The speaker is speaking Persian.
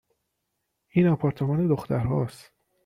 !این آپارتمان دخترهاست